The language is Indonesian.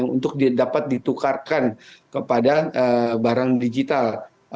untuk dapat ditukarkan kepada barang digital